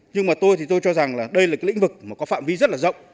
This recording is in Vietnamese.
nhưng mà tôi thì tôi cho rằng là đây là cái lĩnh vực mà có phạm vi rất là rộng